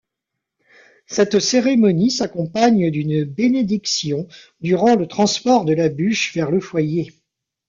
Cette cérémonie s'accompagne d'une bénédiction, durant le transport de la bûche vers le foyer.